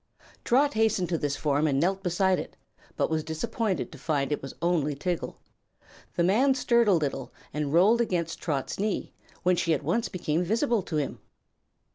Trot hastened to this form and knelt beside it, but was disappointed to find it was only Tiggle. The man stirred a little and rolled against Trot's knee, when she at once became visible to him.